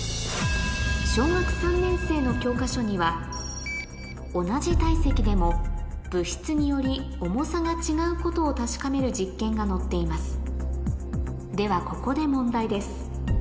小学３年生の教科書には同じ体積でも物質により重さが違うことを確かめる実験が載っていますではここで問題です